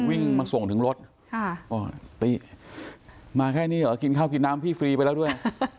วิ่งมาส่งถึงรถติมาแค่นี้เหรอกินข้าวกินน้ำพี่ฟรีไปแล้วด้วย